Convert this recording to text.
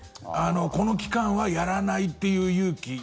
この期間はやらないっていう勇気。